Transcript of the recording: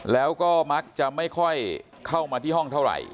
แล้วก็มักจะไม่ค่อยเข้ามาที่ห้องเท่าไหร่